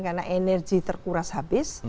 karena energi terkuras habis